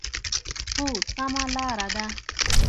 هو، سمه لار ده